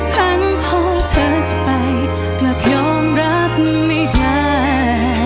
ครั้งพอเธอจะไปมาพยอมรักไม่ได้